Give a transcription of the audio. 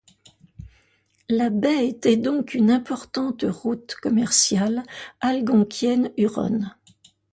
La baie était donc une importante route commerciale algonquienne-huronne.